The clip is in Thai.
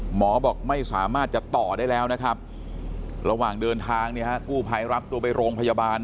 หมอบอกไม่สามารถจะต่อได้แล้วระหว่างเดินทางกู้ภัยรับตัวไปโรงพยาบาล